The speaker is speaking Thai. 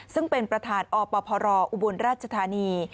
ซึ่งเป็นประธานอปพรอุบลราชธานี